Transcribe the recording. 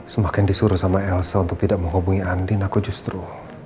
semakin disuruh sama elsa untuk tidak menghubungi andi nako justru